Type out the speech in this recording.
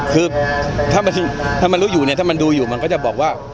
คือถ้ามันรู้อยู่เนี่ยถ้ามันดูอยู่มันก็จะบอกว่า